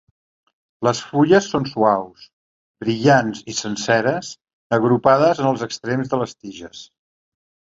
Les fulles són suaus, brillants i senceres, agrupades en els extrems de les tiges.